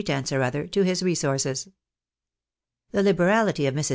tence or other to his resources. The HberaUty of ISIrs.